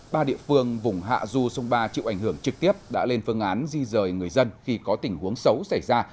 ba địa phương vùng hạ du sông ba chịu ảnh hưởng trực tiếp đã lên phương án di rời người dân khi có tình huống xấu xảy ra